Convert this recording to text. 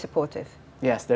jadi mereka sangat mendukung